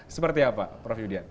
seperti apa prof yudian